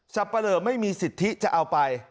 จำเป็นเลยไม่มีสิทธิจะเอาไป